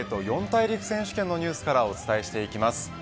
四大陸選手権のニュースからお伝えしていきます。